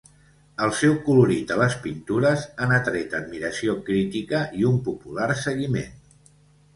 El seu colorit a les pintures han atret admiració crítica i un popular seguiment.